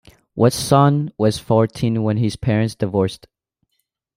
Watson was fourteen when his parents divorced.